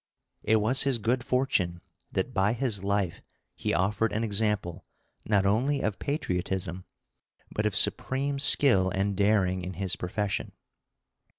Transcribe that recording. It was his good fortune that by his life he offered an example, not only of patriotism, but of supreme skill and daring in his profession.